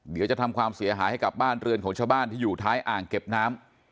เดี๋ยวจะทำความเสียหายให้กับบ้านเรือนของชาวบ้านที่อยู่ท้ายอ่างเก็บน้ำ